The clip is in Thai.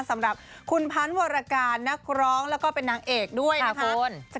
สำหรับคุณพันธ์วรการนักร้องแล้วก็เป็นนางเอกด้วยนะคะ